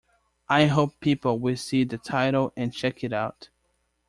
I hope people will see the title and check it out.